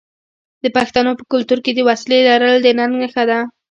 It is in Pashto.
د پښتنو په کلتور کې د وسلې لرل د ننګ نښه ده.